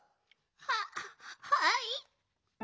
ははい。